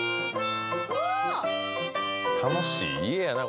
楽しい家やな